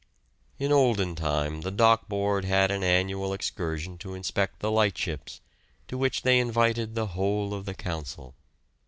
In olden time the Dock Board had an annual excursion to inspect the lightships, to which they invited the whole of the Council.